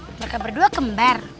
mereka berdua kembar